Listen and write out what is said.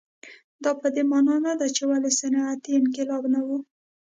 دا په دې معنا نه ده چې ولې صنعتي انقلاب نه و.